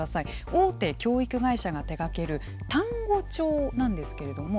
大手教育会社が手がける単語帳なんですけれども。